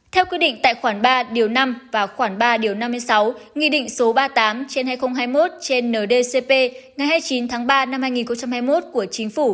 theo quy định tại khoản ba điều năm và khoảng ba năm mươi sáu nghị định số ba mươi tám trên hai nghìn hai mươi một trên ndcp ngày hai mươi chín tháng ba năm hai nghìn hai mươi một của chính phủ